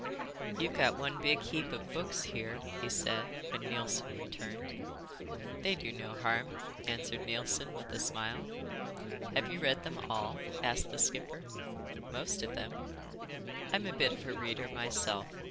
"You've got one big heap of books here," he said, when Neilson returned. "They do no harm," answered Neilson with a smile. "Have you read them all?" asked the skipper. "Most of them." "I'm a bit of a reader myself.